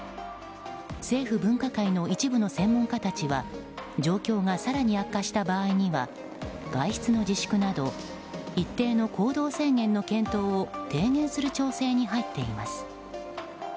政府分科会の一部の専門家たちは状況が更に悪化した場合には外出の自粛など一定の行動制限の検討を提言する調整に入っています。